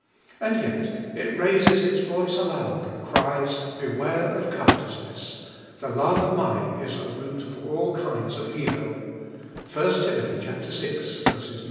And yet it raises its voice aloud and cries : Beware of covetousness. The love of money is a root of all kinds of evil(i Tim. vi.